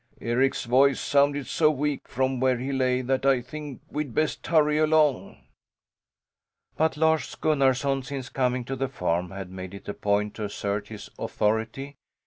Eric's voice sounded so weak from where he lay that I think we'd best hurry along." But Lars Gunnarson, since coming to the farm, had made it a point to assert his authority.